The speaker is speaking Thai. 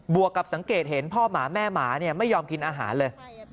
วกกับสังเกตเห็นพ่อหมาแม่หมาไม่ยอมกินอาหารเลย